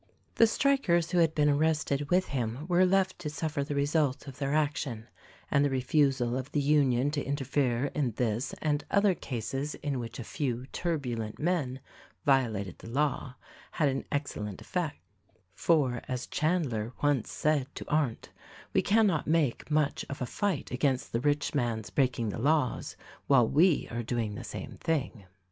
The strikers who had been arrested with him were left to suffer the result of their action, and the refusal of the Union to interfere in this and other cases in which a few turbulent men violated the law had an excellent effect ; for as Chandler once said to Arndt, "We cannot make much of a fight against the rich man's breaking the laws while we are doing the same thing."